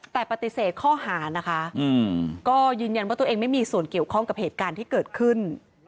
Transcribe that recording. แต่ปฏิเสธข้อหานะคะก็ยืนยันว่าตัวเองไม่มีส่วนเกี่ยวข้องกับเหตุการณ์ที่เกิดขึ้น